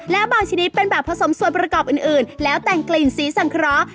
และบางชนิดเป็นแบบผสมส่วนประกอบอื่นแล้วแต่งกลิ่นสีสังเคราะห์